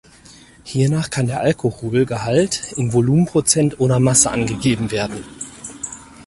Hiernach kann der Alkoholgehalt in Volumenprozent oder Masse angegeben werden.